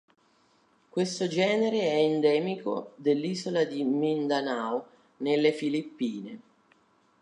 Questo genere è endemico dell'Isola di Mindanao, nelle Filippine.